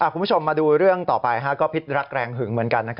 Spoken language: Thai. คุณผู้ชมมาดูเรื่องต่อไปก็พิษรักแรงหึงเหมือนกัน